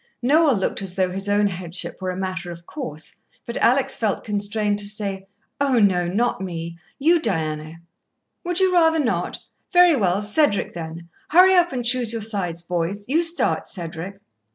Noel looked as though his own headship were a matter of course, but Alex felt constrained to say: "Oh, no, not me You, Diana." "Would you rather not? Very well. Cedric, then. Hurry up and choose your sides, boys. You start, Cedric."